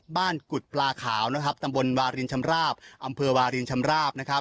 บ้านกุฎปลาขาวตำบลวารินชำราบอำเภอวารินชำราบ